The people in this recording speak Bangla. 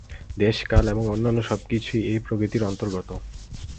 দেশ, কাল এবং অন্যান্য সব-কিছুই এই প্রকৃতির অন্তর্গত।